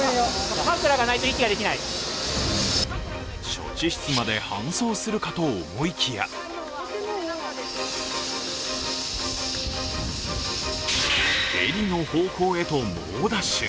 処置室まで搬送するかと思いきやヘリの方向へと猛ダッシュ。